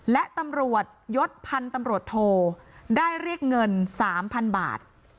และตำรวจยศพันธุ์ตำรวจโทได้เรียกเงิน๓๐๐๐บาท